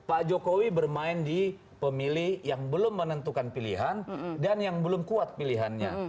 pak jokowi bermain di pemilih yang belum menentukan pilihan dan yang belum kuat pilihannya